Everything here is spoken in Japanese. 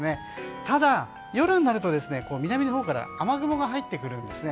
ただ、夜になると南のほうから雨雲が入ってくるんですね。